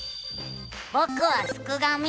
ぼくはすくがミ。